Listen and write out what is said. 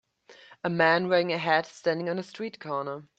A man wearing a hat standing on a street corner.